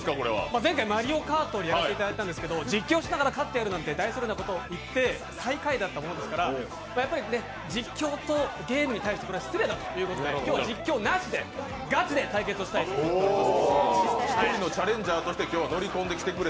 前回「マリオカート」をやらせていただいたんですけど、実況しながら勝ってやるなんて大それたことを言って最下位でしたので、やっぱり実況とゲームに対してこれは失礼だということで、今日は実況なしで、ガチで対決したいと思います。